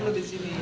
duduk disini ya